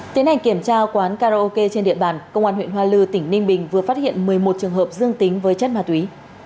tiến hành kiểm tra quán karaoke trên địa bàn công an huyện hoa lư tỉnh ninh bình vừa phát hiện một mươi một trường hợp dương tính với chất ma túy